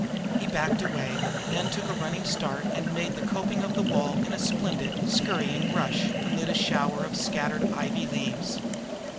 He backed away, then took a running start and made the coping of the wall in a splendid, scurrying rush, amid a shower of scattered ivy leaves.